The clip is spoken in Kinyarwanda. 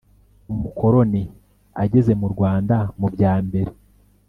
umukoloni ageze mu rwanda mu bya mbere